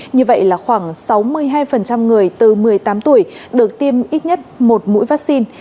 như vậy là khoảng sáu mươi hai người từ một mươi tám tuổi được tiêm ít nhất một mũi vaccine